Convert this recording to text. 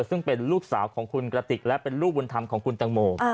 ซึ่งเป็นลูกสาวของคุณกระติกและเป็นลูกบุญธรรมของคุณตังโม